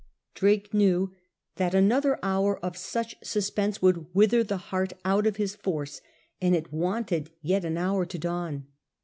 Drake knew that another hour of such suspense would wither the heart out of his force, and it wapted yet an hour to dawn.